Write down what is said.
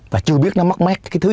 và chưa biết nó mắc mát cái thứ gì